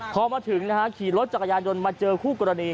พอมาถึงนะฮะขี่รถจักรยานยนต์มาเจอคู่กรณี